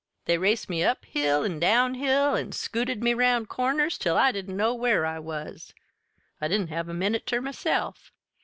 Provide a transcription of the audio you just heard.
They raced me up hill an' down hill, an' scooted me round corners till I didn't know where I was. I didn't have a minute ter myself.